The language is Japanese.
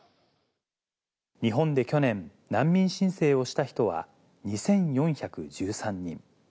日本で去年、難民申請をした人は２４１３人。